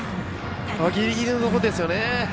ギリギリのところですね。